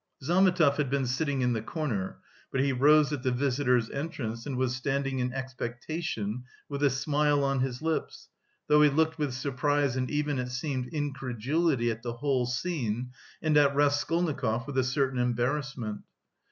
Zametov had been sitting in the corner, but he rose at the visitors' entrance and was standing in expectation with a smile on his lips, though he looked with surprise and even it seemed incredulity at the whole scene and at Raskolnikov with a certain embarrassment.